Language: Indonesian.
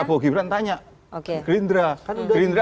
prabowo gibran tanya gerindra